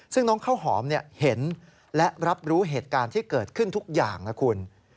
ซึ่งน้องข้าวหอมเห็นและรับรู้เหตุการณ์ที่เกิดขึ้นทุกอย่างนะคุณ